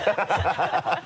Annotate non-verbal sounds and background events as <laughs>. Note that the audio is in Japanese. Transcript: ハハハ <laughs>